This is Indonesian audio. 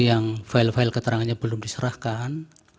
yang file file keterangannya belum diserahkan